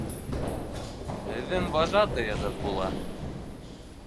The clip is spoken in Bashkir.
Һеҙҙең вожатыйығыҙ була.